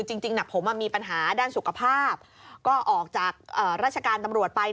จริงผมมีปัญหาด้านสุขภาพก็ออกจากราชการตำรวจไป